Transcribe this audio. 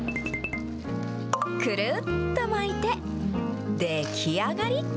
くるっと巻いて、出来上がり。